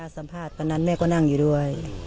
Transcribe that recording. สัมภาษณ์ตอนนั้นแม่ก็นั่งอยู่ด้วย